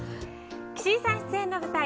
岸井さん出演の舞台